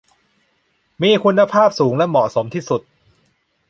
มีคุณภาพสูงและเหมาะสมที่สุด